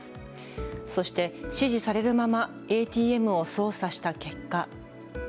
そして指示されるままＡＴＭを操作した結果。